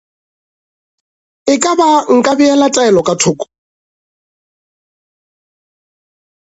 E ka ba nka beela Taelo ka thoko?